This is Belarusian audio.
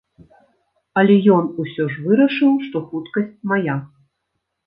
Але ён усё ж вырашыў, што хуткасць мая.